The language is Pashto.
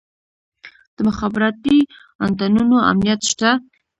د مخابراتي انتنونو امنیت شته؟